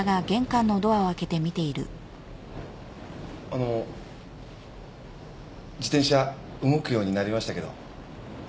あの自転車動くようになりましたけど。